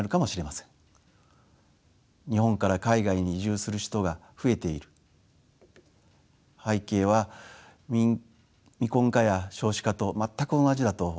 日本から海外に移住する人が増えている背景は未婚化や少子化と全く同じだと私は考えています。